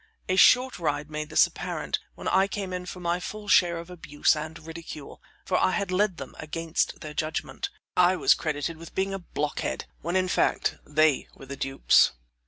A short ride made this apparent, when I came in for my full share of abuse and ridicule, for I had led them against their judgment. I was credited with being a blockhead, when in fact they were the dupes.